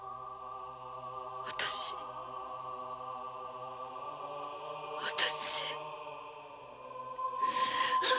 私私。